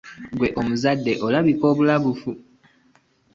Ggwe omuzadde olabika obulabufu.